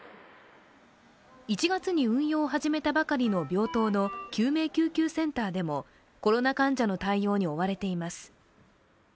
１月に運用を始めたばかりの病棟の救急救命センターでもコロナ患者の対応に追われています。